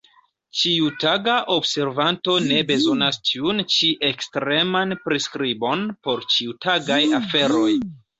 Ĉiutaga observanto ne bezonas tiun ĉi ekstreman priskribon por ĉiutagaj aferoj.